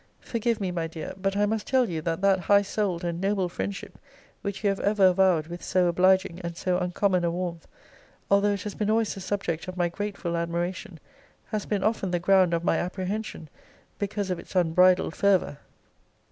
Forgive me, my dear, but I must tell you that that high soul'd and noble friendship which you have ever avowed with so obliging and so uncommon a warmth, although it has been always the subject of my grateful admiration, has been often the ground of my apprehension, because of its unbridled fervour.